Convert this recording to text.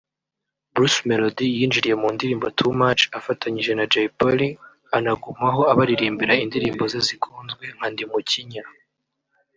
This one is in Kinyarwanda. Bruce Melody yinjiriye mu ndirimbo Too much afatanije na Jay Polly anagumaho abaririmbira indirimbo ze zikunzwe nka Ndimukinya